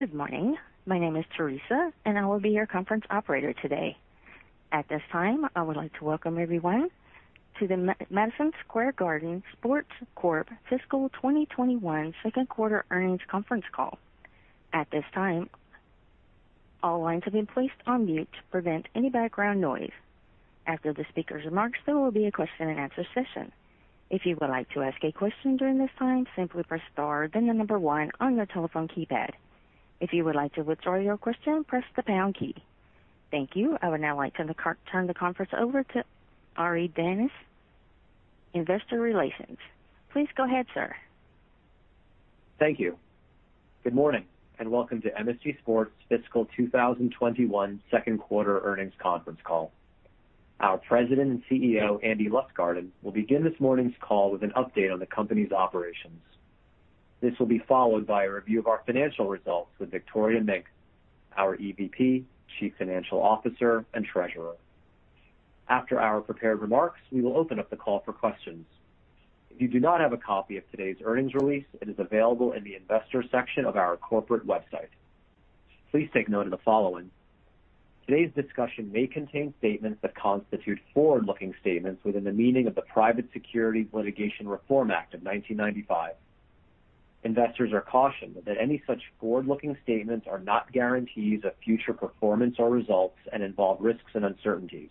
Good morning. My name is Theresa, and I will be your conference operator today. At this time, I would like to welcome everyone to the Madison Square Garden Sports Corp Fiscal 2021 Second Quarter Earnings Conference Call. At this time, all lines have been placed on mute to prevent any background noise. After the speaker's remarks, there will be a question and answer session. If you would like to ask a question during this time, simply press star then the number 1 on your telephone keypad. If you would like to withdraw your question, press the pound key. Thank you. I would now like to turn the conference over to Ari Danes, Investor Relations. Please go ahead, sir. Thank you. Good morning, welcome to MSG Sports Fiscal 2021 Second Quarter Earnings Conference Call. Our President and CEO, Andy Lustgarten, will begin this morning's call with an update on the company's operations. This will be followed by a review of our financial results with Victoria Mink, our EVP, Chief Financial Officer, and Treasurer. After our prepared remarks, we will open up the call for questions. If you do not have a copy of today's earnings release, it is available in the Investors section of our corporate website. Please take note of the following. Today's discussion may contain statements that constitute forward-looking statements within the meaning of the Private Securities Litigation Reform Act of 1995. Investors are cautioned that any such forward-looking statements are not guarantees of future performance or results and involve risks and uncertainties,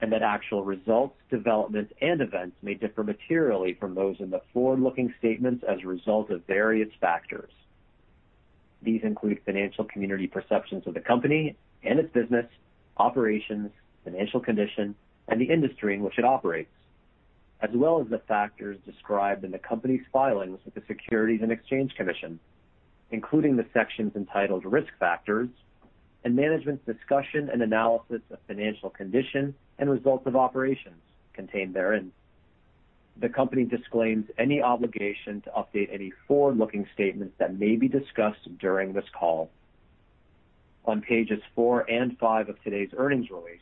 and that actual results, developments, and events may differ materially from those in the forward-looking statements as a result of various factors. These include financial community perceptions of the company and its business, operations, financial condition, and the industry in which it operates. As well as the factors described in the company's filings with the Securities and Exchange Commission, including the sections entitled Risk Factors and Management's Discussion and Analysis of Financial Condition and Results of Operations contained therein. The company disclaims any obligation to update any forward-looking statements that may be discussed during this call. On pages four and five of today's earnings release,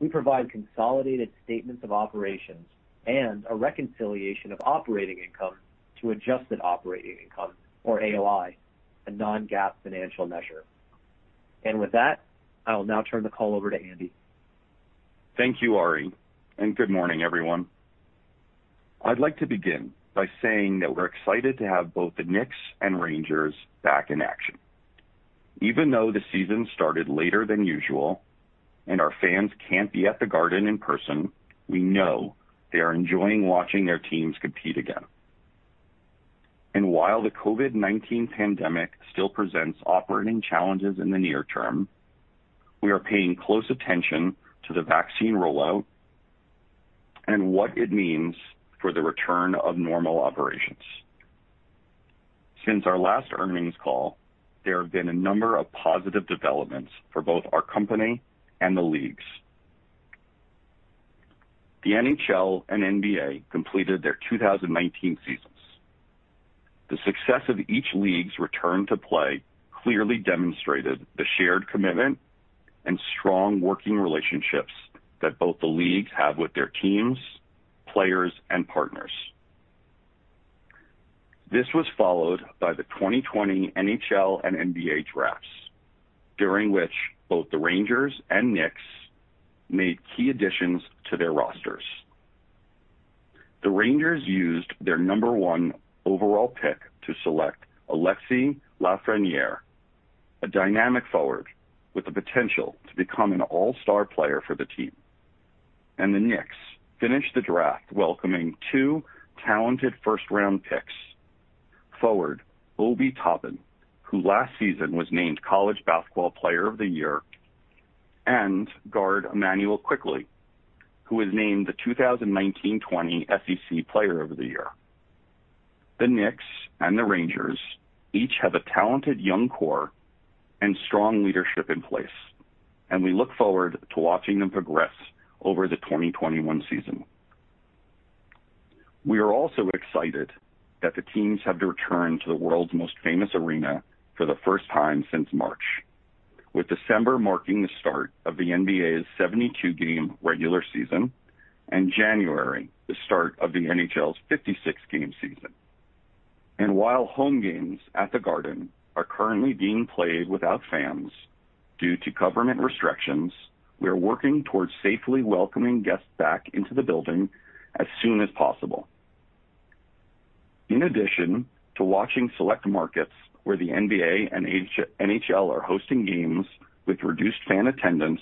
we provide consolidated statements of operations and a reconciliation of operating income to adjusted operating income, or AOI, a non-GAAP financial measure. With that, I will now turn the call over to Andy. Thank you, Ari, and good morning, everyone. I'd like to begin by saying that we're excited to have both the Knicks and Rangers back in action. Even though the season started later than usual, our fans can't be at the Garden in person, we know they are enjoying watching their teams compete again. While the COVID-19 pandemic still presents operating challenges in the near term, we are paying close attention to the vaccine rollout and what it means for the return of normal operations. Since our last earnings call, there have been a number of positive developments for both our company and the leagues. The NHL and NBA completed their 2019 seasons. The success of each league's return to play clearly demonstrated the shared commitment and strong working relationships that both the leagues have with their teams, players, and partners. This was followed by the 2020 NHL and NBA drafts, during which both the Rangers and Knicks made key additions to their rosters. The Rangers used their number one overall pick to select Alexis Lafrenière, a dynamic forward with the potential to become an all-star player for the team. The Knicks finished the draft welcoming two talented first-round picks. Forward, Obi Toppin, who last season was named college basketball player of the year, and guard Immanuel Quickley, who was named the 2019/2020 SEC player of the year. The Knicks and the Rangers each have a talented young core and strong leadership in place, and we look forward to watching them progress over the 2021 season. We are also excited that the teams have returned to the world's most famous arena for the first time since March, with December marking the start of the NBA's 72-game regular season, and January the start of the NHL's 56-game season. While home games at the Garden are currently being played without fans due to government restrictions, we are working towards safely welcoming guests back into the building as soon as possible. In addition to watching select markets where the NBA and NHL are hosting games with reduced fan attendance,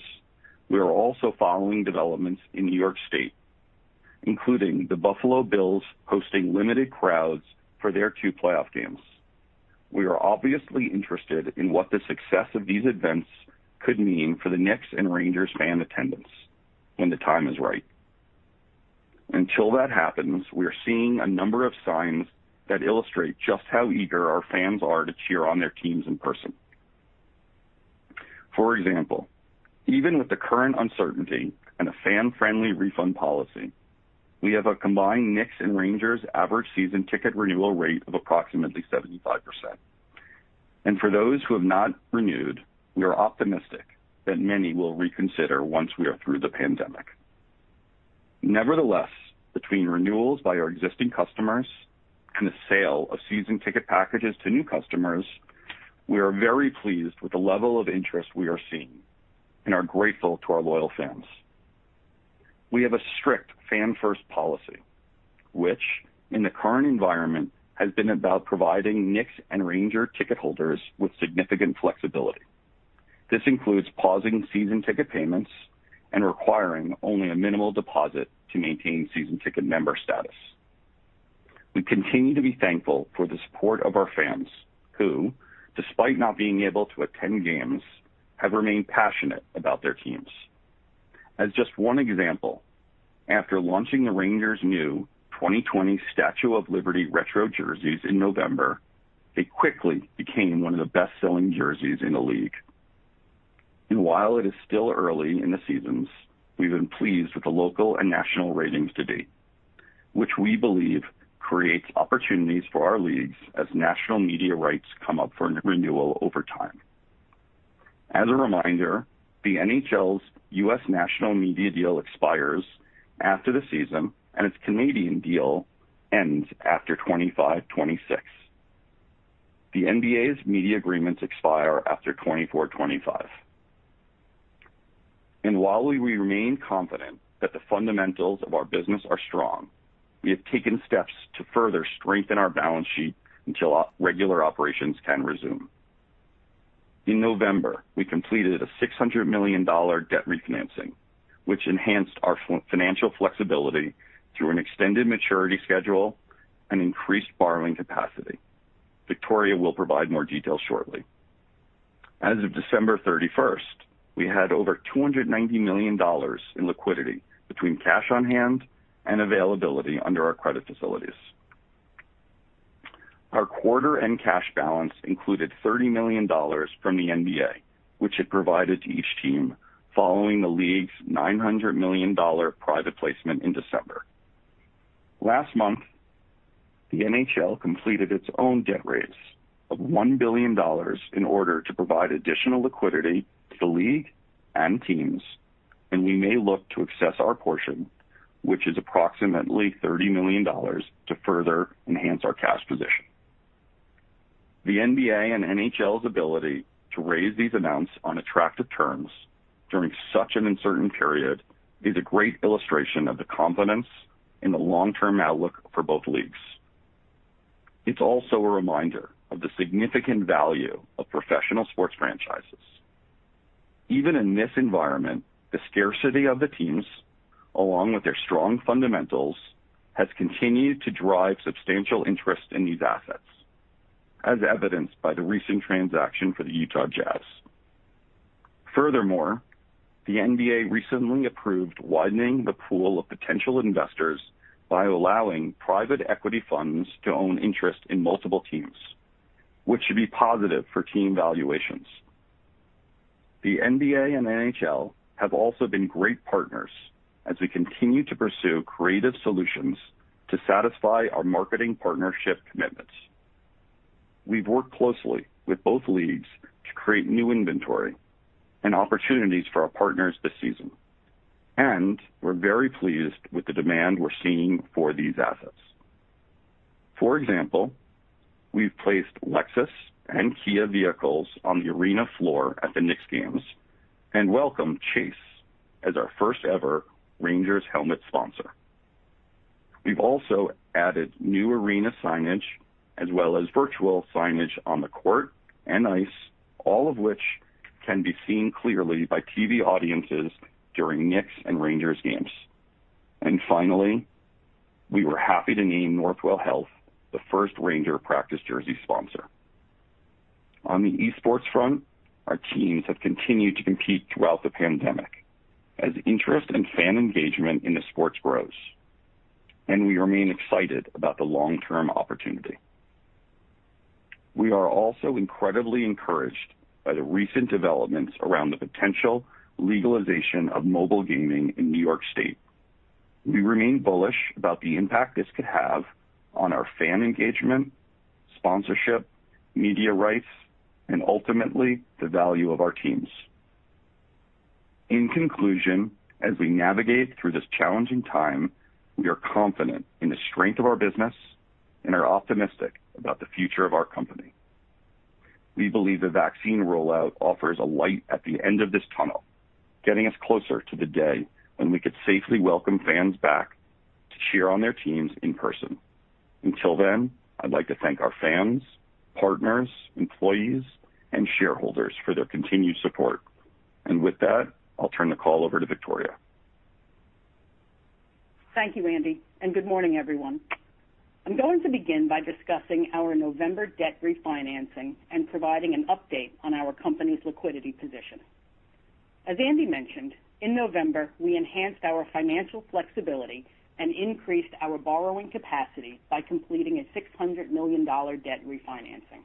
we are also following developments in New York State, including the Buffalo Bills hosting limited crowds for their two playoff games. We are obviously interested in what the success of these events could mean for the Knicks' and Rangers' fan attendance when the time is right. Until that happens, we are seeing a number of signs that illustrate just how eager our fans are to cheer on their teams in person. For example, even with the current uncertainty and a fan-friendly refund policy, we have a combined Knicks and Rangers average season ticket renewal rate of approximately 75%. For those who have not renewed, we are optimistic that many will reconsider once we are through the pandemic. Nevertheless, between renewals by our existing customers and the sale of season ticket packages to new customers, we are very pleased with the level of interest we are seeing and are grateful to our loyal fans. We have a strict fan-first policy, which, in the current environment, has been about providing Knicks and Rangers ticket holders with significant flexibility. This includes pausing season ticket payments and requiring only a minimal deposit to maintain season ticket member status. We continue to be thankful for the support of our fans who, despite not being able to attend games, have remained passionate about their teams. As just one example, after launching the Rangers' new 2020 Statue of Liberty retro jerseys in November, they quickly became one of the best-selling jerseys in the league. While it is still early in the seasons, we've been pleased with the local and national ratings to date, which we believe creates opportunities for our leagues as national media rights come up for renewal over time. As a reminder, the NHL's US national media deal expires after the season, and its Canadian deal ends after 2025/2026. The NBA's media agreements expire after 2024/2025. While we remain confident that the fundamentals of our business are strong, we have taken steps to further strengthen our balance sheet until regular operations can resume. In November, we completed a $600 million debt refinancing, which enhanced our financial flexibility through an extended maturity schedule and increased borrowing capacity. Victoria will provide more details shortly. As of December 31st, we had over $290 million in liquidity between cash on hand and availability under our credit facilities. Our quarter-end cash balance included $30 million from the NBA, which it provided to each team following the league's $900 million private placement in December. Last month, the NHL completed its own debt raise of $1 billion in order to provide additional liquidity to the league and teams, and we may look to access our portion, which is approximately $30 million, to further enhance our cash position. The NBA and NHL's ability to raise these amounts on attractive terms during such an uncertain period is a great illustration of the confidence in the long-term outlook for both leagues. It's also a reminder of the significant value of professional sports franchises. Even in this environment, the scarcity of the teams, along with their strong fundamentals, has continued to drive substantial interest in these assets, as evidenced by the recent transaction for the Utah Jazz. Furthermore, the NBA recently approved widening the pool of potential investors by allowing private equity funds to own interest in multiple teams, which should be positive for team valuations. The NBA and NHL have also been great partners as we continue to pursue creative solutions to satisfy our marketing partnership commitments. We've worked closely with both leagues to create new inventory and opportunities for our partners this season, and we're very pleased with the demand we're seeing for these assets. For example, we've placed Lexus and Kia vehicles on the arena floor at the Knicks games and welcomed Chase as our first-ever Rangers helmet sponsor. We've also added new arena signage as well as virtual signage on the court and ice, all of which can be seen clearly by TV audiences during Knicks and Rangers games. Finally, we were happy to name Northwell Health the first Rangers practice jersey sponsor. On the esports front, our teams have continued to compete throughout the pandemic as interest and fan engagement in the sports grows, and we remain excited about the long-term opportunity. We are also incredibly encouraged by the recent developments around the potential legalization of mobile gaming in New York State. We remain bullish about the impact this could have on our fan engagement, sponsorship, media rights, and ultimately, the value of our teams. In conclusion, as we navigate through this challenging time, we are confident in the strength of our business and are optimistic about the future of our company. We believe the vaccine rollout offers a light at the end of this tunnel, getting us closer to the day when we could safely welcome fans back to cheer on their teams in person. Until then, I'd like to thank our fans, partners, employees, and shareholders for their continued support. With that, I'll turn the call over to Victoria. Thank you, Andy, and good morning, everyone. I'm going to begin by discussing our November debt refinancing and providing an update on our company's liquidity position. As Andy mentioned, in November, we enhanced our financial flexibility and increased our borrowing capacity by completing a $600 million debt refinancing.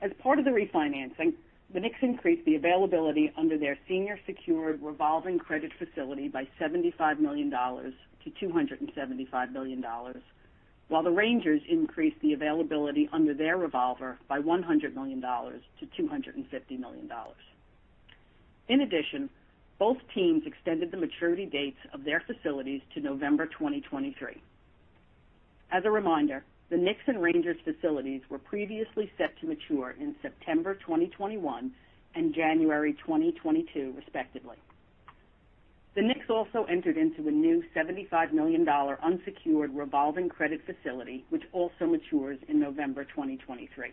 As part of the refinancing, the Knicks increased the availability under their senior secured revolving credit facility by $75 million-$275 million, while the Rangers increased the availability under their revolver by $100 million-$250 million. In addition, both teams extended the maturity dates of their facilities to November 2023. As a reminder, the Knicks and Rangers facilities were previously set to mature in September 2021 and January 2022, respectively. The Knicks also entered into a new $75 million unsecured revolving credit facility, which also matures in November 2023.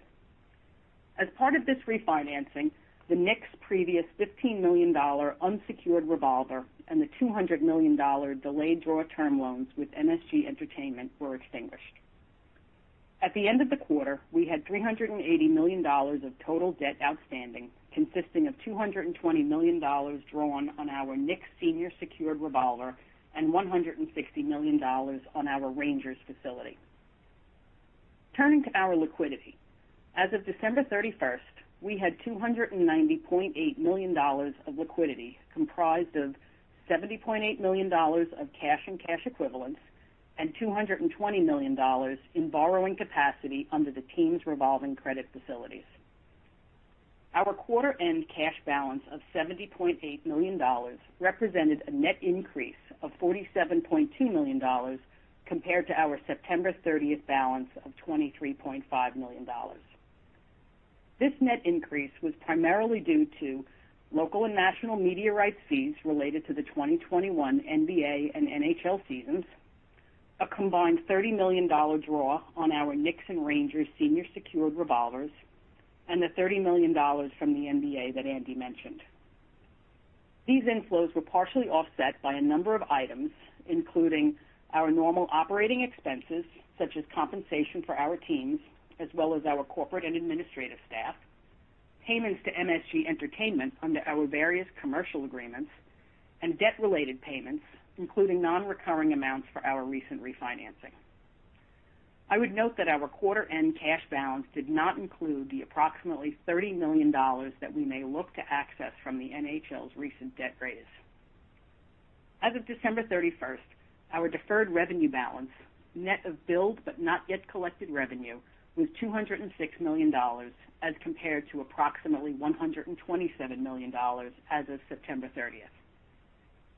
As part of this refinancing, the Knicks' previous $15 million unsecured revolver and the $200 million delayed draw term loans with MSG Entertainment were extinguished. At the end of the quarter, we had $380 million of total debt outstanding, consisting of $220 million drawn on our Knicks senior secured revolver and $160 million on our Rangers facility. Turning to our liquidity, as of December 31st, we had $290.8 million of liquidity, comprised of $70.8 million of cash and cash equivalents and $220 million in borrowing capacity under the team's revolving credit facilities. Our quarter-end cash balance of $70.8 million represented a net increase of $47.2 million compared to our September 30th balance of $23.5 million. This net increase was primarily due to local and national media rights fees related to the 2021 NBA and NHL seasons, a combined $30 million draw on our Knicks and Rangers senior secured revolvers, and the $30 million from the NBA that Andy mentioned. These inflows were partially offset by a number of items, including our normal operating expenses, such as compensation for our teams, as well as our corporate and administrative staff, payments to MSG Entertainment under our various commercial agreements, and debt-related payments, including non-recurring amounts for our recent refinancing. I would note that our quarter-end cash balance did not include the approximately $30 million that we may look to access from the NHL's recent debt raise. As of December 31st, our deferred revenue balance, net of billed but not yet collected revenue, was $206 million as compared to approximately $127 million as of September 30th.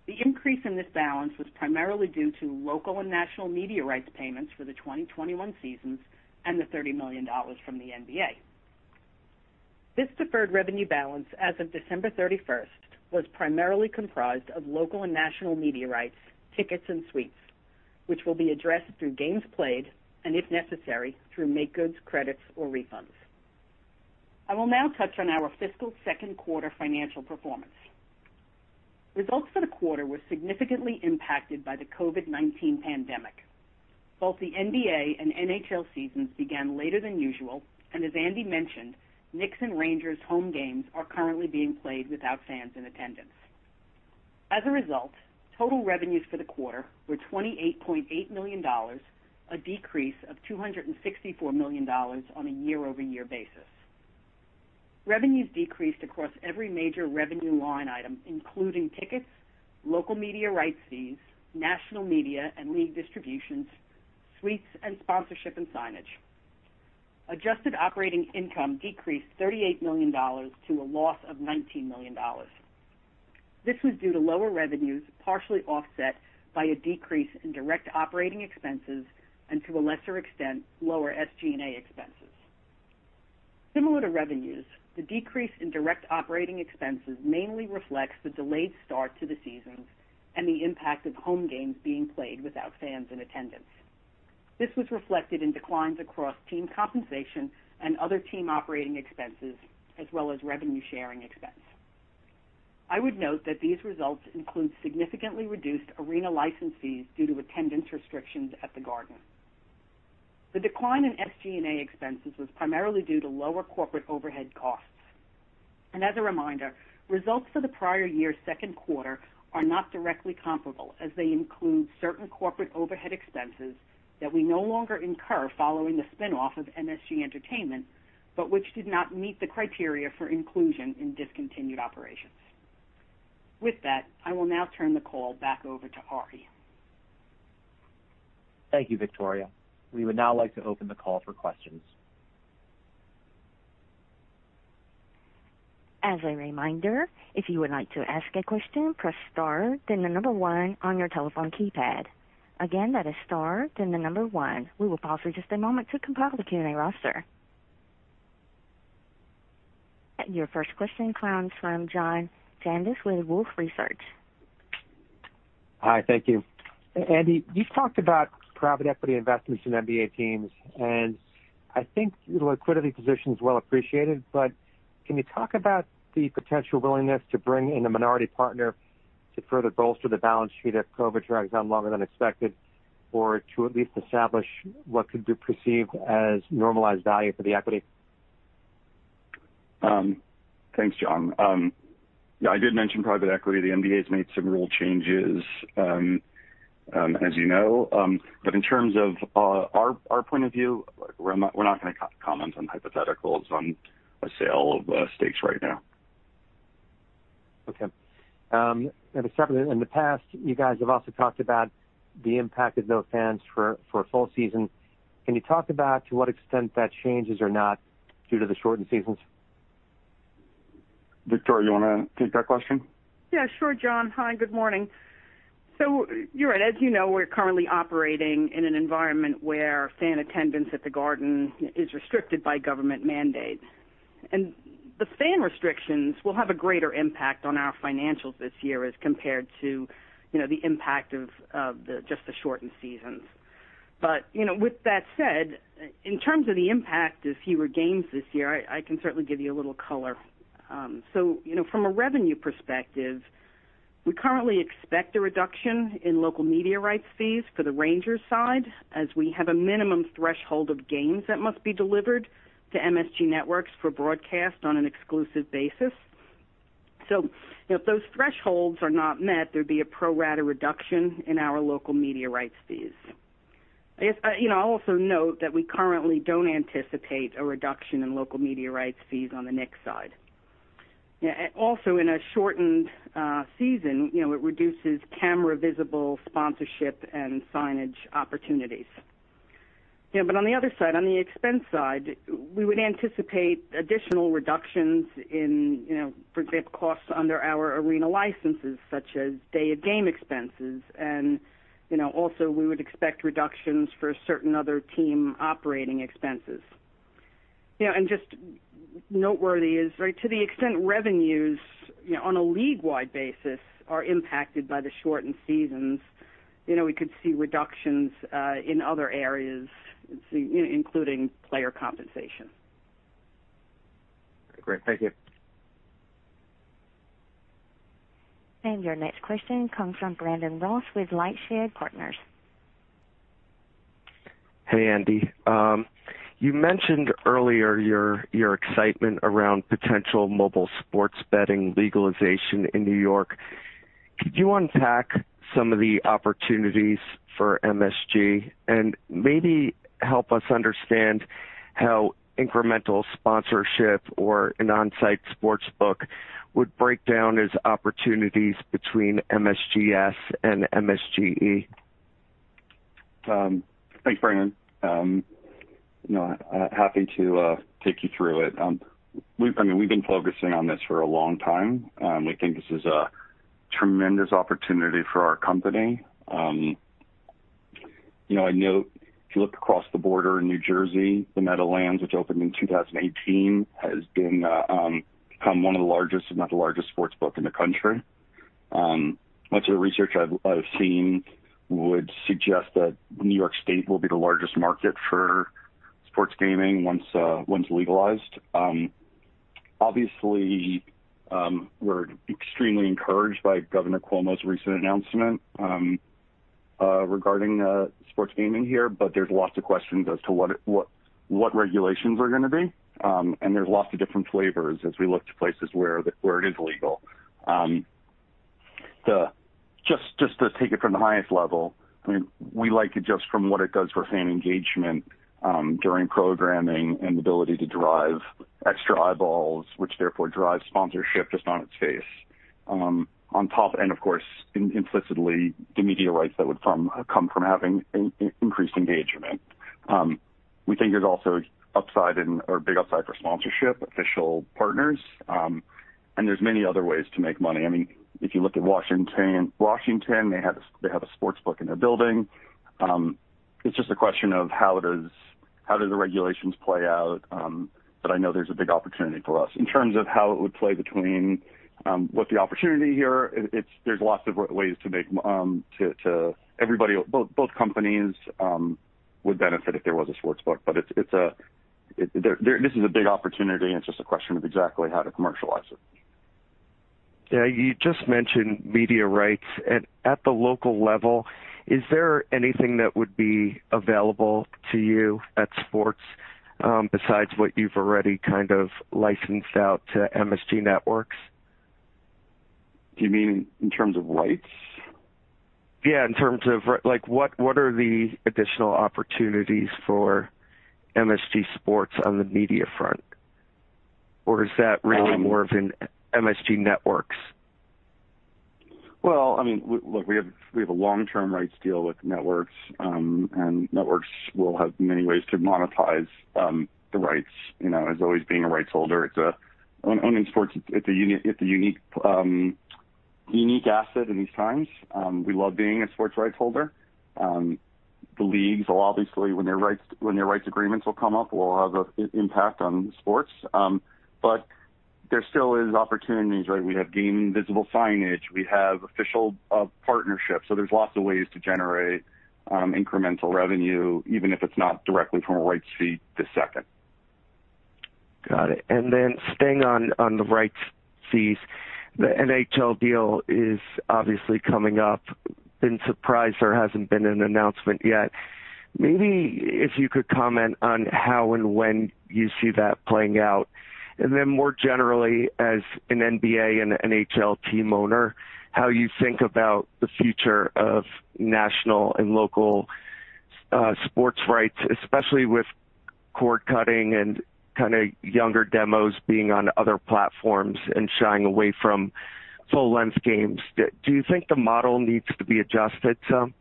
The increase in this balance was primarily due to local and national media rights payments for the 2021 seasons and the $30 million from the NBA. This deferred revenue balance as of December 31st was primarily comprised of local and national media rights, tickets, and suites, which will be addressed through games played, and if necessary, through make-goods, credits, or refunds. I will now touch on our fiscal second quarter financial performance. Results for the quarter were significantly impacted by the COVID-19 pandemic. Both the NBA and NHL seasons began later than usual, and as Andy mentioned, Knicks and Rangers home games are currently being played without fans in attendance. As a result, total revenues for the quarter were $28.8 million, a decrease of $264 million on a year-over-year basis. Revenues decreased across every major revenue line item, including tickets, local media rights fees, national media and league distributions, suites, and sponsorship and signage. Adjusted operating income decreased $38 million to a loss of $19 million. This was due to lower revenues, partially offset by a decrease in direct operating expenses, and to a lesser extent, lower SG&A expenses. Similar to revenues, the decrease in direct operating expenses mainly reflects the delayed start to the seasons and the impact of home games being played without fans in attendance. This was reflected in declines across team compensation and other team operating expenses, as well as revenue-sharing expense. I would note that these results include significantly reduced arena license fees due to attendance restrictions at the Garden. The decline in SG&A expenses was primarily due to lower corporate overhead costs. And as a reminder, results for the prior year's second quarter are not directly comparable, as they include certain corporate overhead expenses that we no longer incur following the spin-off of MSG Entertainment, but which did not meet the criteria for inclusion in discontinued operations. With that, I will now turn the call back over to Ari. Thank you, Victoria. We would now like to open the call for questions. As a reminder, if you would like to ask a question, press star, then the number one on your telephone keypad. Again that is star, then the number one. We will pause for just a moment to compile the Q&A roster. Your first question comes from John Janedis with Wolfe Research. Hi, thank you. Andy, you've talked about private equity investments in NBA teams, and I think the liquidity position is well appreciated, but can you talk about the potential willingness to bring in a minority partner to further bolster the balance sheet if COVID drags on longer than expected, or to at least establish what could be perceived as normalized value for the equity? Thanks, John. Yeah, I did mention private equity. The NBA has made some rule changes, as you know. In terms of our point of view, we're not going to comment on hypotheticals on a sale of stakes right now. In the past, you guys have also talked about the impact of no fans for a full season. Can you talk about to what extent that changes or not due to the shortened seasons? Victoria, you want to take that question? Yeah, sure, John. Hi, good morning. You're right. As you know, we're currently operating in an environment where fan attendance at the Garden is restricted by government mandate. The fan restrictions will have a greater impact on our financials this year as compared to the impact of just the shortened seasons. With that said, in terms of the impact of fewer games this year, I can certainly give you a little color. From a revenue perspective, we currently expect a reduction in local media rights fees for the Rangers side, as we have a minimum threshold of games that must be delivered to MSG Networks for broadcast on an exclusive basis. So if those thresholds are not met, there'd be a pro-rata reduction in our local media rights fees. I'll also note that we currently don't anticipate a reduction in local media rights fees on the Knicks side. In a shortened season, it reduces camera-visible sponsorship and signage opportunities. On the other side, on the expense side, we would anticipate additional reductions in, for example, costs under our arena licenses, such as day-of-game expenses. We would expect reductions for certain other team operating expenses. And Just noteworthy is to the extent revenues on a league-wide basis are impacted by the shortened seasons, we could see reductions in other areas, including player compensation. Great. Thank you. Your next question comes from Brandon Ross with LightShed Partners. Hey, Andy. You mentioned earlier your excitement around potential mobile sports betting legalization in New York. Could you unpack some of the opportunities for MSG and maybe help us understand how incremental sponsorship or an on-site sportsbook would break down as opportunities between MSGS and MSGE? Thanks, Brandon. Happy to take you through it. We've been focusing on this for a long time. We think this is a tremendous opportunity for our company. You know I note if you look across the border in New Jersey, the Meadowlands, which opened in 2018, has become one of the largest, if not the largest sportsbook in the country. Much of the research I've seen would suggest that New York State will be the largest market for sports gaming once legalized. Obviously, we're extremely encouraged by Governor Cuomo's recent announcement regarding sports gaming here, but there's lots of questions as to what regulations are going to be, and there's lots of different flavors as we look to places where it is legal. Just to take it from the highest level, we like it just from what it does for fan engagement during programming and the ability to drive extra eyeballs, which therefore drives sponsorship just on its face. On top and of course, implicitly, the media rights that would come from having increased engagement. We think there's also a big upside for sponsorship, official partners, and there's many other ways to make money. If you look at Washington, they have a sportsbook in their building. It's just a question of how do the regulations play out. I know there's a big opportunity for us. In terms of how it would play between what the opportunity here, there's lots of ways. Both companies would benefit if there was a sportsbook. This is a big opportunity, and it's just a question of exactly how to commercialize it. You just mentioned media rights. At the local level, is there anything that would be available to you at Sports besides what you've already kind of licensed out to MSG Networks? Do you mean in terms of rights? What are the additional opportunities for MSG Sports on the media front? Is that really more of an MSG Networks? Well, look, we have a long-term rights deal with Networks. Networks will have many ways to monetize the rights. As always, being a rights holder, owning sports, it's a unique asset in these times. We love being a sports rights holder. The leagues will obviously, when their rights agreements will come up, will have an impact on sports. There still is opportunities. We have game visible signage. We have official partnerships. There's lots of ways to generate incremental revenue, even if it's not directly from a rights fee the second. Got it. And then staying on the rights fees, the NHL deal is obviously coming up. I've been surprised there hasn't been an announcement yet. Maybe if you could comment on how and when you see that playing out. More generally, as an NBA and NHL team owner, how you think about the future of national and local sports rights, especially with cord-cutting and younger demos being on other platforms and shying away from full-length games. Do you think the model needs to be adjusted some?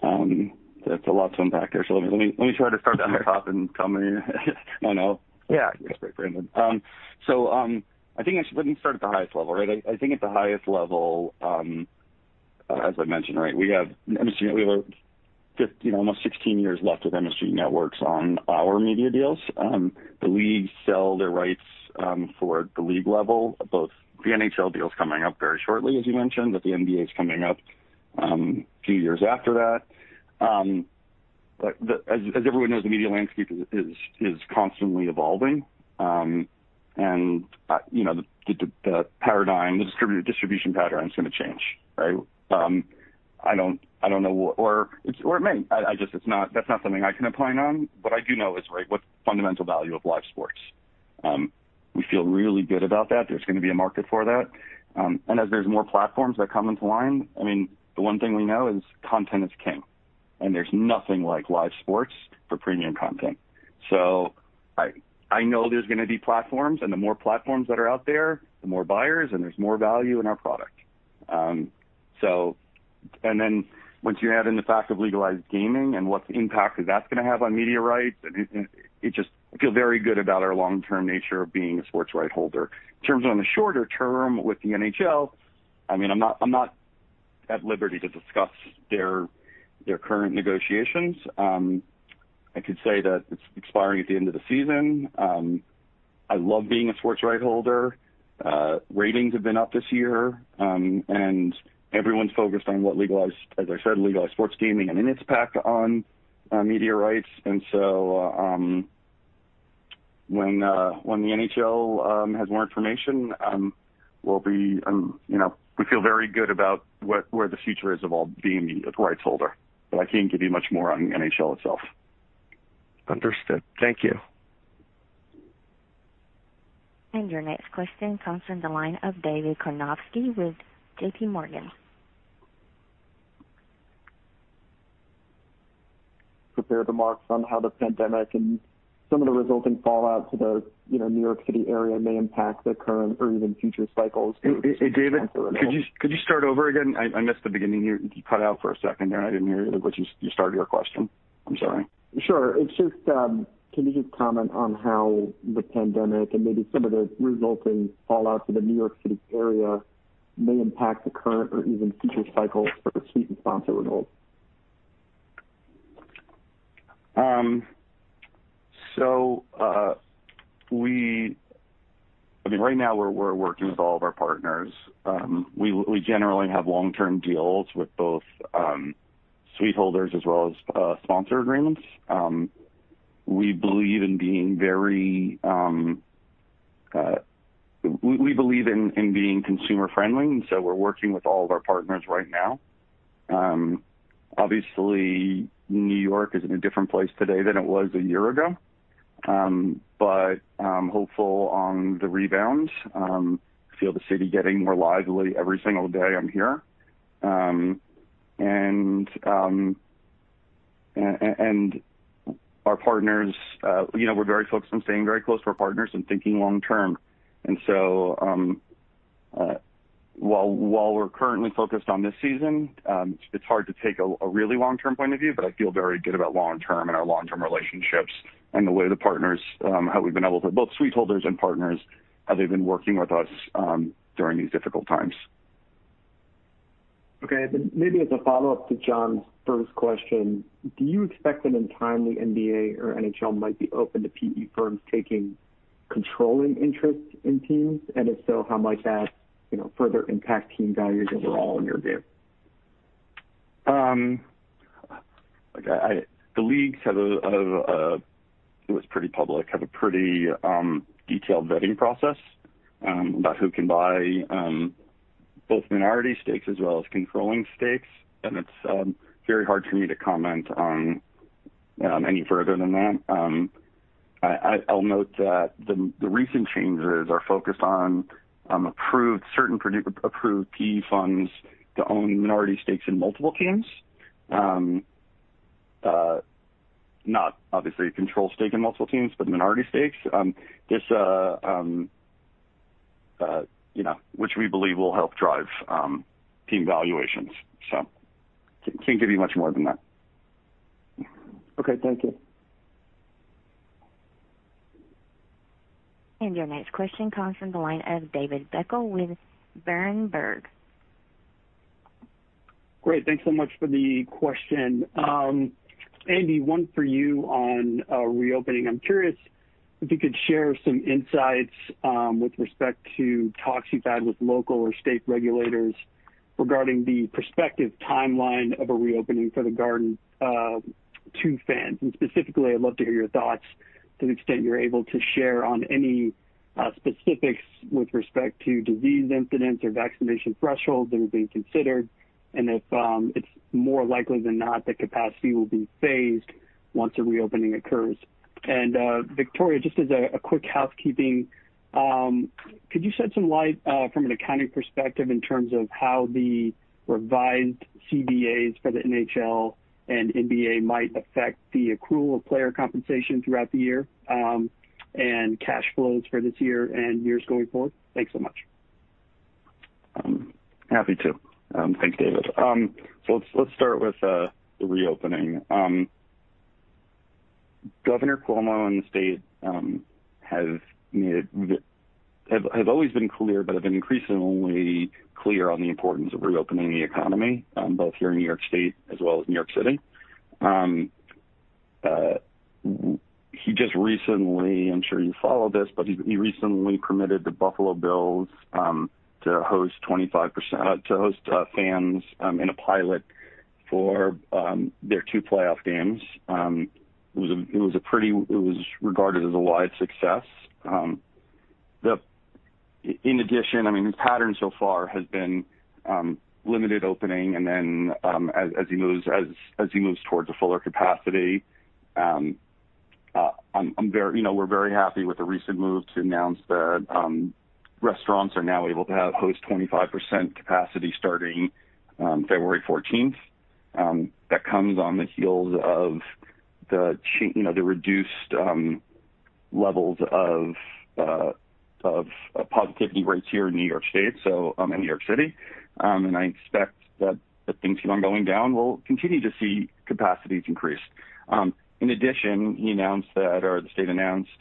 That's a lot to unpack there, so let me try to start at the top and come in on out. Yeah. That's great, Brandon. I think I should. Let me start at the highest level. I think at the highest level, as I mentioned, we have almost 16 years left of MSG Networks on our media deals. The leagues sell their rights for the league level, both the NHL deal's coming up very shortly, as you mentioned, but the NBA's coming up a few years after that. As everyone knows, the media landscape is constantly evolving. The distribution pattern is going to change, right? I don't know, or it may. That's not something I can opine on. What I do know is what's the fundamental value of live sports. We feel really good about that. There's going to be a market for that. And as there is more platforms that come into line, the one thing we know is content is king. There is nothing like live sports for premium content. I know there is going to be platforms. The more platforms that are out there, the more buyers. There is more value in our product. Once you add in the fact of legalized gaming and what impact is that is going to have on media rights, I feel very good about our long-term nature of being a sports rights holder. In terms on the shorter term with the NHL, I am not at liberty to discuss their current negotiations. I could say that it is expiring at the end of the season. I love being a sports rights holder. Ratings have been up this year. Everyone is focused on what legalized, as I said, legalized sports gaming and its impact on media rights. And so, when the NHL has more information, we feel very good about where the future is of all being a rights holder. I can't give you much more on NHL itself. Understood. Thank you. Your next question comes from the line of David Karnovsky with JPMorgan. Prepare the marks on how the pandemic and some of the resulting fallout to the New York City area may impact the current or even future cycles. Hey, David. For the season. Could you start over again? I missed the beginning here. You cut out for a second there. I didn't hear what you started your question. I'm sorry. Sure. Can you just comment on how the pandemic and maybe some of the resulting fallout to the New York City area may impact the current or even future cycles for the suite and sponsor renewals? Right now, we're working with all of our partners. We generally have long-term deals with both suite holders as well as sponsor agreements. We believe in being consumer friendly, we're working with all of our partners right now. Obviously, New York is in a different place today than it was a year ago. I'm hopeful on the rebound. I feel the city getting more lively every single day I'm here. And our partners, we're very focused on staying very close to our partners and thinking long term. While we're currently focused on this season, it's hard to take a really long-term point of view, but I feel very good about long term and our long-term relationships and the way the partners, how we've been able to, both suite holders and partners, how they've been working with us during these difficult times. Okay. Maybe as a follow-up to John's first question, do you expect that in time the NBA or NHL might be open to PE firms taking controlling interest in teams? If so, how might that further impact team values overall in your view? The leagues, it was pretty public, have a pretty detailed vetting process about who can buy both minority stakes as well as controlling stakes. It's very hard for me to comment on any further than that. I'll note that the recent changes are focused on certain approved PE funds to own minority stakes in multiple teams. Not obviously a control stake in multiple teams, but minority stakes, which we believe will help drive team valuations. Can't give you much more than that. Okay. Thank you. Your next question comes from the line of David Beckel with Berenberg. Great. Thanks so much for the question. Andy, one for you on reopening. I'm curious if you could share some insights with respect to talks you've had with local or state regulators regarding the prospective timeline of a reopening for the Garden to fans, and specifically, I'd love to hear your thoughts to the extent you're able to share on any specifics with respect to disease incidence or vaccination thresholds that are being considered, and if it's more likely than not that capacity will be phased once a reopening occurs. And Victoria, just as a quick housekeeping, could you shed some light from an accounting perspective in terms of how the revised CBAs for the NHL and NBA might affect the accrual of player compensation throughout the year, and cash flows for this year and years going forward? Thanks so much. Happy to. Thanks, David. Let's start with the reopening. Governor Cuomo and the state have always been clear but have been increasingly clear on the importance of reopening the economy, both here in New York State as well as New York City. I'm sure you followed this, but he recently permitted the Buffalo Bills to host fans in a pilot for their two playoff games. It was regarded as a wide success. In addition, his pattern so far has been limited opening, and then as he moves towards a fuller capacity. We're very happy with the recent move to announce that restaurants are now able to host 25% capacity starting February 14th. That comes on the heels of the reduced levels of positivity rates here in New York State, in New York City. I expect that if things keep on going down, we'll continue to see capacities increase. In addition, the state announced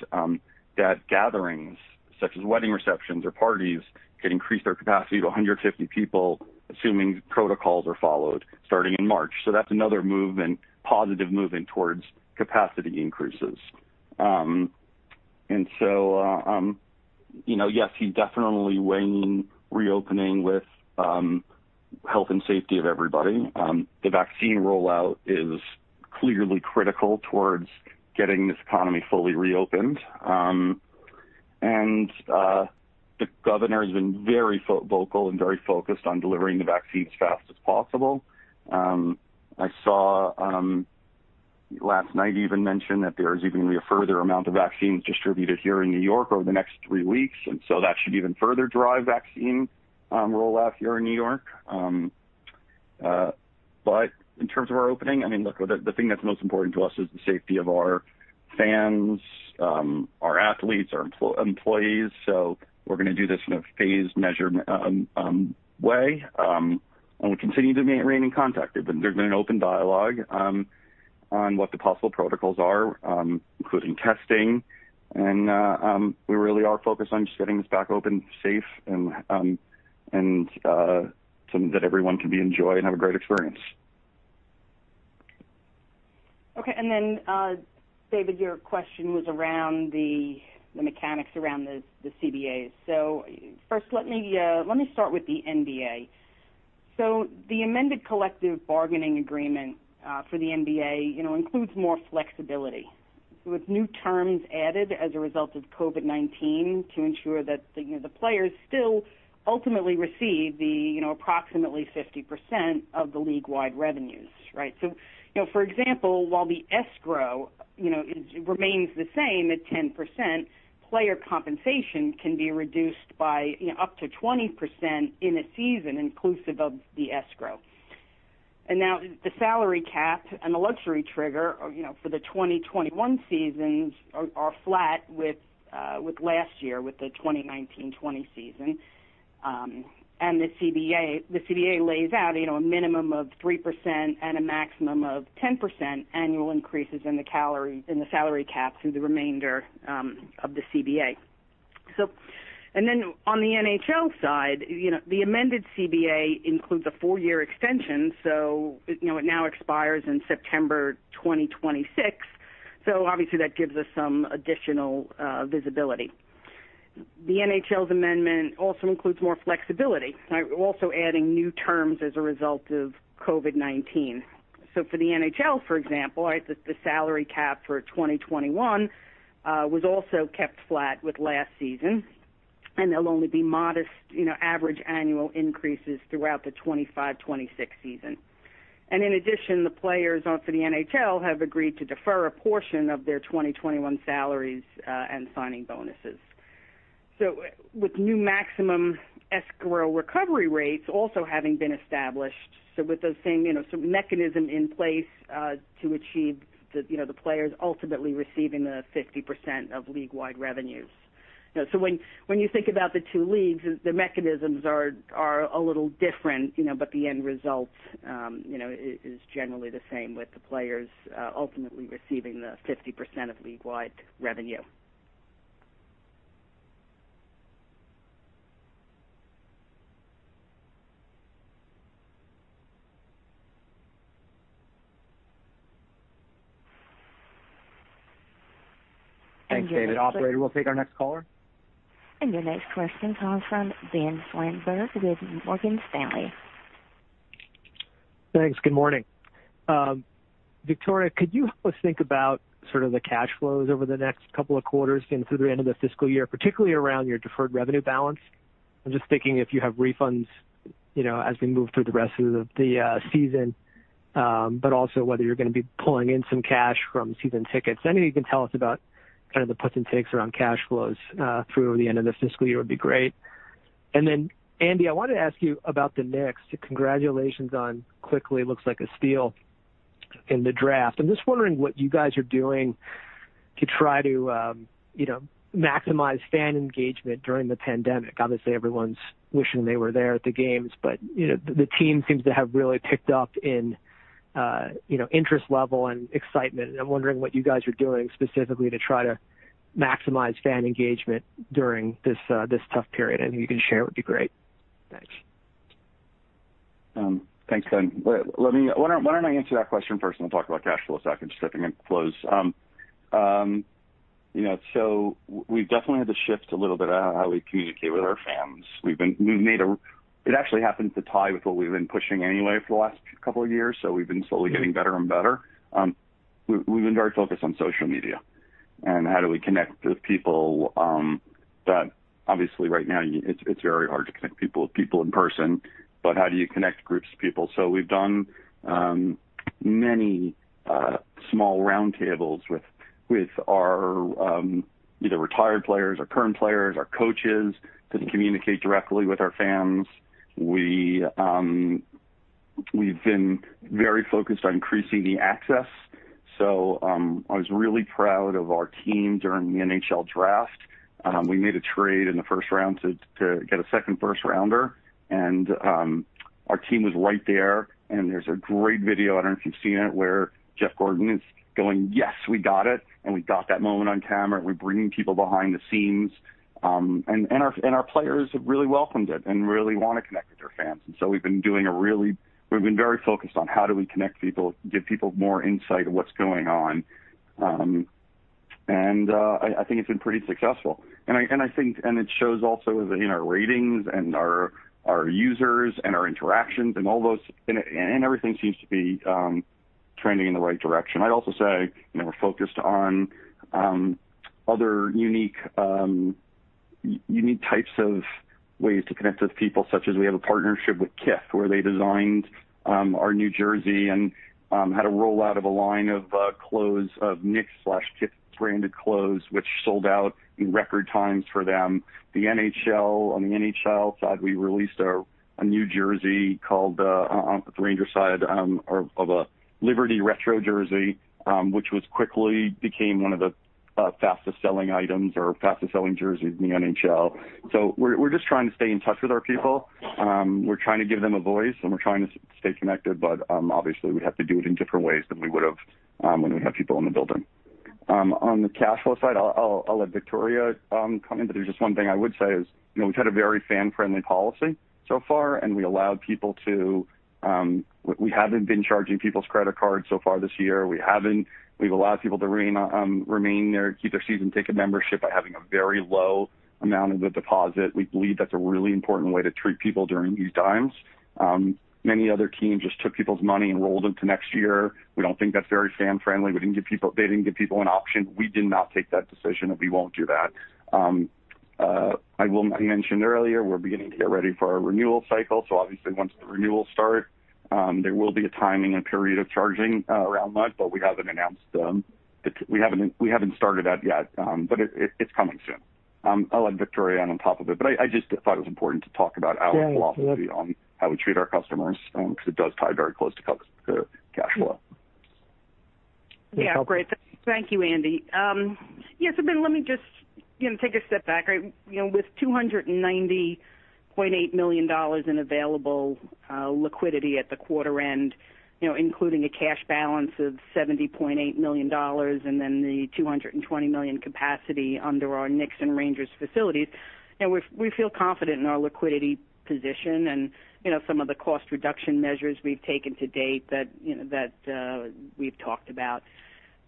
that gatherings such as wedding receptions or parties could increase their capacity to 150 people, assuming protocols are followed, starting in March. That's another positive movement towards capacity increases. Yes, he's definitely weighing reopening with health and safety of everybody. The vaccine rollout is clearly critical towards getting this economy fully reopened. The Governor has been very vocal and very focused on delivering the vaccine as fast as possible. I saw him last night even mentioned that there is even a further amount of vaccines distributed here in New York over the next three weeks, and so that should even further drive vaccine rollout here in New York. But in terms of our opening, look, the thing that's most important to us is the safety of our fans, our athletes, our employees. We're going to do this in a phased way, and we continue to remain in contact. There's been an open dialogue on what the possible protocols are, including testing, and we really are focused on just getting this back open safe, and something that everyone can enjoy and have a great experience. Okay. David, your question was around the mechanics around the CBAs. First, let me start with the NBA. The amended collective bargaining agreement for the NBA includes more flexibility, with new terms added as a result of COVID-19 to ensure that the players still ultimately receive the approximately 50% of the league-wide revenues. Right? For example, while the escrow remains the same at 10%, player compensation can be reduced by up to 20% in a season inclusive of the escrow. Now the salary cap and the luxury trigger for the 2021 seasons are flat with last year, with the 2019/2020 season. The CBA lays out a minimum of 3% and a maximum of 10% annual increases in the salary cap through the remainder of the CBA. On the NHL side, the amended CBA includes a four-year extension, so it now expires in September 2026. Obviously that gives us some additional visibility. The NHL's amendment also includes more flexibility, also adding new terms as a result of COVID-19. So for the NHL, for example, the salary cap for 2021 was also kept flat with last season, and there'll only be modest average annual increases throughout the 2025/2026 season. In addition, the players for the NHL have agreed to defer a portion of their 2021 salaries and signing bonuses. With new maximum escrow recovery rates also having been established, with those same mechanism in place to achieve the players ultimately receiving the 50% of league-wide revenues. When you think about the two leagues, the mechanisms are a little different, but the end result is generally the same, with the players ultimately receiving the 50% of league-wide revenue. Thanks, David. Operator, we'll take our next caller. Your next question comes from Ben Swinburne with Morgan Stanley. Thanks. Good morning. Victoria, could you help us think about sort of the cash flows over the next couple of quarters and through the end of the fiscal year, particularly around your deferred revenue balance? I'm just thinking if you have refunds as we move through the rest of the season, but also whether you're going to be pulling in some cash from season tickets. Anything you can tell us about the puts and takes around cash flows through the end of the fiscal year would be great. Then Andy, I wanted to ask you about the Knicks. Congratulations on Quickley, looks like a steal in the draft. I'm just wondering what you guys are doing to try to maximize fan engagement during the pandemic. Obviously, everyone's wishing they were there at the games, but the team seems to have really picked up in interest level and excitement. I'm wondering what you guys are doing specifically to try to maximize fan engagement during this tough period. Anything you can share would be great. Thanks. Thanks, Ben. Why don't I answer that question first, then we'll talk about cash flow a second, just jumping in close. We've definitely had to shift a little bit how we communicate with our fans. It actually happened to tie with what we've been pushing anyway for the last couple of years, so we've been slowly getting better and better. We've been very focused on social media, and how do we connect with people that obviously right now, it's very hard to connect people with people in person, but how do you connect groups of people? We've done many small round tables with our either retired players or current players, our coaches, to communicate directly with our fans. We've been very focused on increasing the access. I was really proud of our team during the NHL draft. We made a trade in the first round to get a second first-rounder, and our team was right there, and there's a great video, I don't know if you've seen it, where Jeff Gorton is going, "Yes, we got it," and we got that moment on camera. We're bringing people behind the scenes. And our players have really welcomed it and really want to connect with their fans. We've been very focused on how do we connect people, give people more insight of what's going on, and I think it's been pretty successful. It shows also in our ratings and our users and our interactions, and everything seems to be trending in the right direction. I'd also say, we're focused on other unique types of ways to connect with people, such as we have a partnership with Kith, where they designed our new jersey and had a rollout of a line of Knicks/Kith-branded clothes, which sold out in record times for them. The NHL, on the NHL side, we released a new jersey called, on the Rangers side, of a Liberty retro jersey, which quickly became one of the fastest-selling items or fastest-selling jerseys in the NHL. We're just trying to stay in touch with our people. We're trying to give them a voice, and we're trying to stay connected. Obviously we have to do it in different ways than we would've when we had people in the building. On the cash flow side, I'll let Victoria comment, there's just one thing I would say is we've had a very fan-friendly policy so far, we haven't been charging people's credit cards so far this year. We've allowed people to keep their season ticket membership by having a very low amount of the deposit. We believe that's a really important way to treat people during these times. Many other teams just took people's money and rolled into next year. We don't think that's very fan-friendly. They didn't give people an option. We did not take that decision, and we won't do that. I mentioned earlier we're beginning to get ready for our renewal cycle, obviously once the renewals start, there will be a timing and period of charging around that, we haven't started that yet. It's coming soon. I'll let Victoria add on top of it, but I just thought it was important to talk about our philosophy. Yeah. On how we treat our customers, because it does tie very close to cash flow. Yeah. Great. Thank you, Andy. Ben, let me just take a step back. With $290.8 million in available liquidity at the quarter end, including a cash balance of $70.8 million, and then the $220 million capacity under our Knicks and Rangers facilities, we feel confident in our liquidity position and some of the cost reduction measures we've taken to date that we've talked about.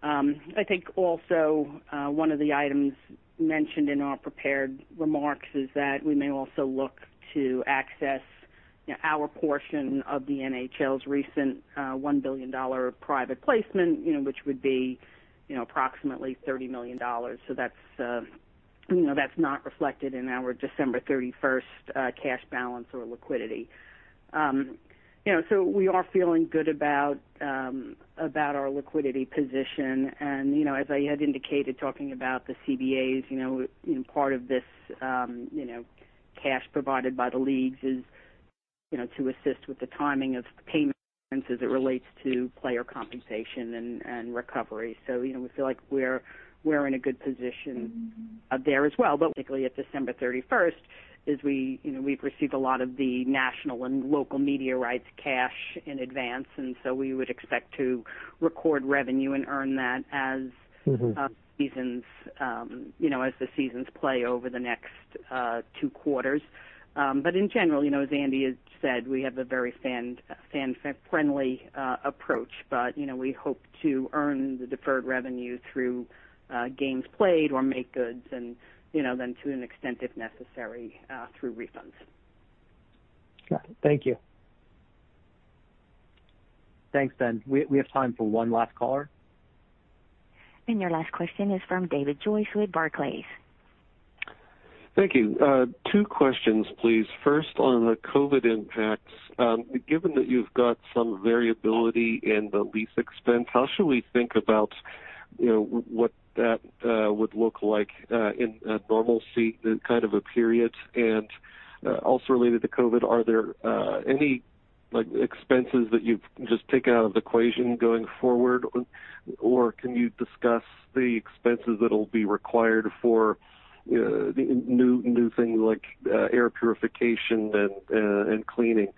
I think also one of the items mentioned in our prepared remarks is that we may also look to access our portion of the NHL's recent $1 billion private placement, which would be approximately $30 million. That's not reflected in our December 31st cash balance or liquidity. We are feeling good about our liquidity position, and as I had indicated, talking about the CBAs, part of this cash provided by the leagues is to assist with the timing of payments as it relates to player compensation and recovery. We feel like we're in a good position there as well. Particularly at December 31st, is we've received a lot of the national and local media rights cash in advance, we would expect to record revenue and earn that. The seasons play over the next two quarters. But in general, as Andy has said, we have a very fan-friendly approach, but we hope to earn the deferred revenue through games played or make-goods and then to an extent, if necessary, through refunds. Got it. Thank you. Thanks, Ben. We have time for one last caller. Your last question is from David Joyce with Barclays. Thank you. Two questions, please. First, on the COVID impacts. Given that you've got some variability in the lease expense, how should we think about what that would look like in a normalcy kind of a period? Also related to COVID, are there any expenses that you've just taken out of the equation going forward? Can you discuss the expenses that'll be required for new things like air purification and cleaning?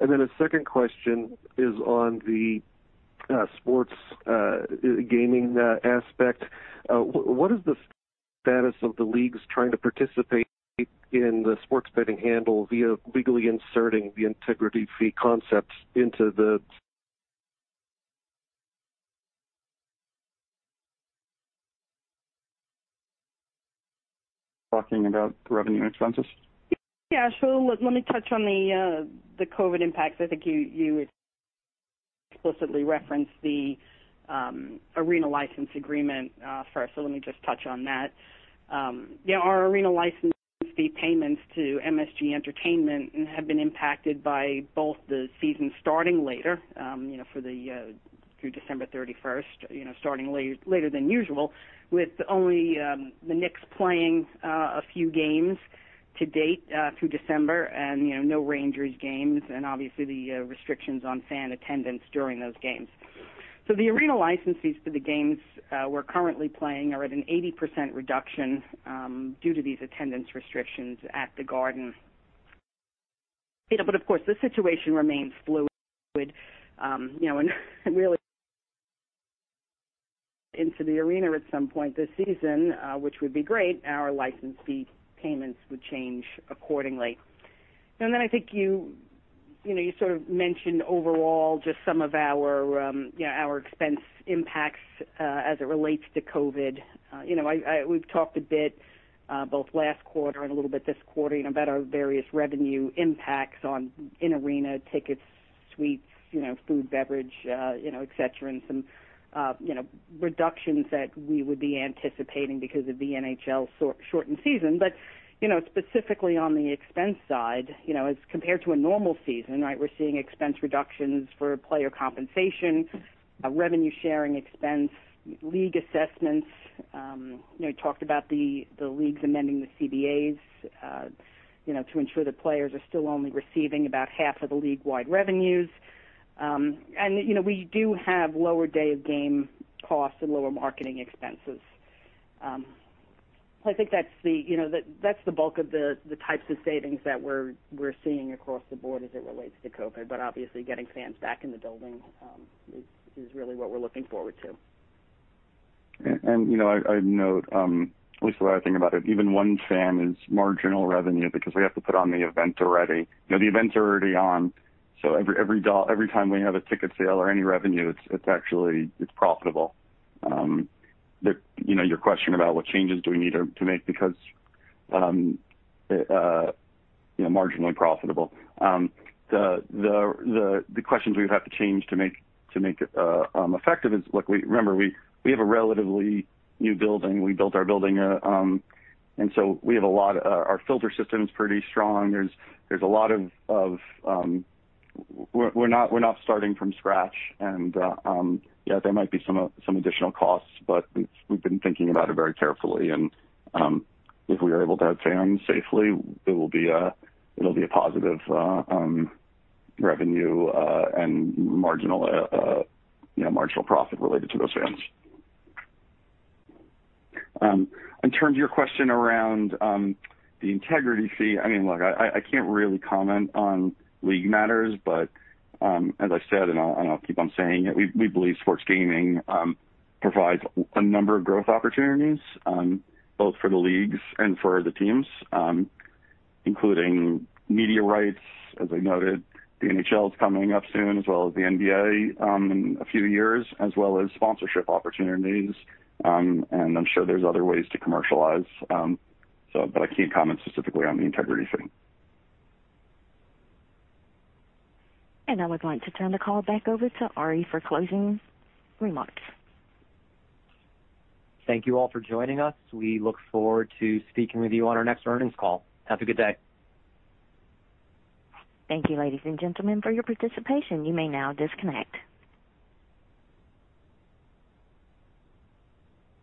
A second question is on the sports gaming aspect. What is the status of the leagues trying to participate in the sports betting handle via legally inserting the integrity fee concept into the talking about revenue expenses. Yeah. Let me touch on the COVID impacts. I think you explicitly referenced the arena license agreement first, so let me just touch on that. Yeah, our arena license fee payments to MSG Entertainment have been impacted by both the season starting later through December 31st, starting later than usual, with only the Knicks playing a few games to date through December, and no Rangers games, and obviously the restrictions on fan attendance during those games. The arena license fees for the games we're currently playing are at an 80% reduction due to these attendance restrictions at the Garden. Of course, the situation remains fluid. Really into the arena at some point this season, which would be great, our license fee payments would change accordingly. Then I think you sort of mentioned overall just some of our expense impacts as it relates to COVID. We've talked a bit both last quarter and a little bit this quarter about our various revenue impacts on in-arena tickets, suites, food, beverage, et cetera, and some reductions that we would be anticipating because of the NHL's shortened season. Specifically on the expense side, as compared to a normal season, we're seeing expense reductions for player compensation, revenue sharing expense, league assessments. Talked about the leagues amending the CBAs to ensure that players are still only receiving about half of the league-wide revenues. We do have lower day-of-game costs and lower marketing expenses. I think that's the bulk of the types of savings that we're seeing across the board as it relates to COVID. Obviously, getting fans back in the building is really what we're looking forward to. I note, at least the way I think about it, even one fan is marginal revenue because we have to put on the event already. The events are already on, so every time we have a ticket sale or any revenue, it's profitable. Your question about what changes do we need to make because marginally profitable. The questions we would have to change to make it effective is, look, remember, we have a relatively new building. We built our building, our filter system is pretty strong. We're not starting from scratch. Yeah, there might be some additional costs, but we've been thinking about it very carefully, and if we are able to have fans safely, it'll be a positive revenue and marginal profit related to those fans. Turn to your question around the integrity fee. Look, I can't really comment on league matters, but as I said, and I'll keep on saying it, we believe sports gaming provides a number of growth opportunities both for the leagues and for the teams, including media rights. As I noted, the NHL is coming up soon, as well as the NBA in a few years, as well as sponsorship opportunities, and I'm sure there's other ways to commercialize. I can't comment specifically on the integrity fee. Now we'd like to turn the call back over to Ari for closing remarks. Thank you all for joining us. We look forward to speaking with you on our next earnings call. Have a good day. Thank you, ladies and gentlemen, for your participation. You may now disconnect.